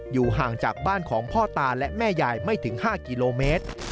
อยู่ห่างจากบ้านของพ่อตาและแม่ยายไม่ถึง๕กิโลเมตร